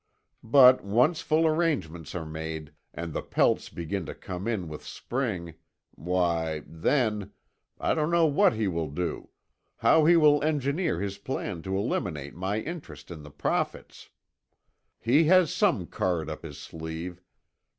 "But once full arrangements are made, and the pelts begin to come in with spring, why, then—I don't know what he will do, how he will engineer his plan to eliminate my interest in the profits. He has some card up his sleeve.